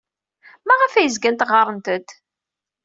Maɣef ay zgant ɣɣarent-d?